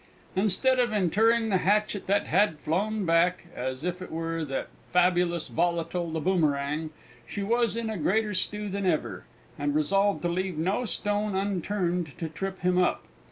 Instead of interring the hatchet that had flown back, as if it were that fabulous volatile the boomerang, she was in a greater stew than ever, and resolved to leave no stone unturned to trip him up.